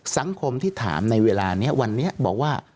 สังคมที่ถามในเวลานี้วันนี้บอกว่า